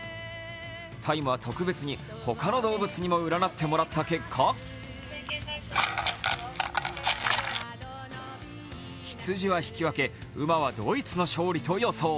「ＴＩＭＥ，」は特別に他の動物にも占ってもらった結果、羊は引き分け、馬はドイツの勝利と予想。